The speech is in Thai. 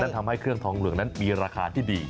ทำให้เครื่องทองเหลืองนั้นมีราคาที่ดี